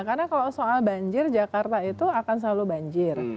karena kalau soal banjir jakarta itu akan selalu banjir